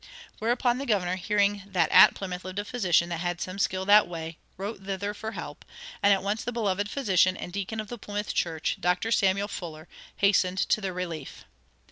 Whereupon the governor, hearing that at Plymouth lived a physician "that had some skill that way," wrote thither for help, and at once the beloved physician and deacon of the Plymouth church, Dr. Samuel Fuller, hastened to their relief.